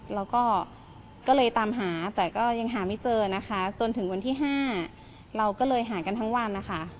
เราก็เลยตามหาแต่ก็ยังหาไม่เจอนะคะจนถึงวันที่๕เราก็เลยหากันทั้งวันนะคะ